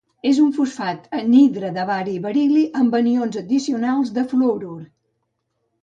És un fosfat anhidre de bari i beril·li amb anions addicionals fluorur.